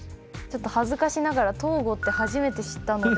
ちょっと恥ずかしながらトーゴって初めて知ったので。